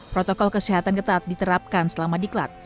protokol kesehatan ketat diterapkan selama di klat